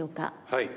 はい。